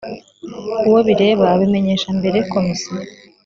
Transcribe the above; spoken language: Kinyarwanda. uwo bireba abimenyesha mbere komisiyo